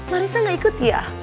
marissa gak ikut ya